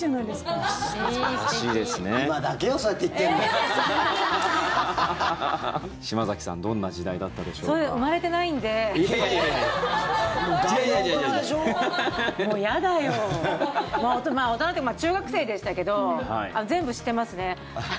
大人っていうか中学生でしたけど全部知ってますね。